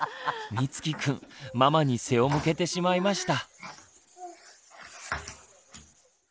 みつきくんママに背を向けてしまいました。